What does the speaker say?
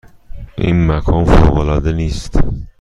این مکان فوق العاده نیست؟